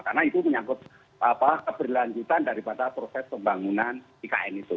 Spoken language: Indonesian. karena itu menyangkut keberlanjutan dari proses pembangunan di kn itu